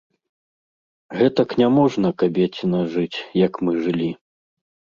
Гэтак няможна, кабецiна, жыць, як мы жылi...